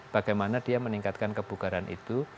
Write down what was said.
bagaimana dia meningkatkan kebugaran itu